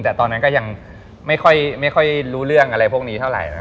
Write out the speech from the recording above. แต่ตอนนั้นก็ยังไม่ค่อยรู้เรื่องอะไรพวกนี้เท่าไหร่นะครับ